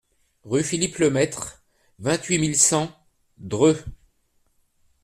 Rue Philippe Lemaître, vingt-huit mille cent Dreux